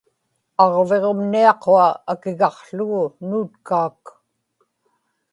aġviġum niaqua akigaqługu nuutkaak